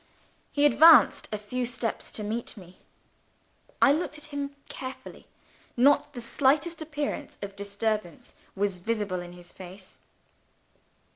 He advanced a few steps to meet me. I looked at him carefully. Not the slightest appearance of disturbance was visible in his face.